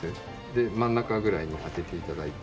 で真ん中ぐらいに当てて頂いて。